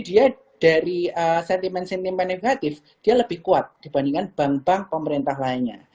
dia dari sentimen sentimen negatif dia lebih kuat dibandingkan bank bank pemerintah lainnya